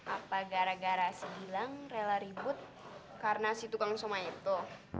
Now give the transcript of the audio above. apa gara gara si gilang rela ribut karena si tukang soma itu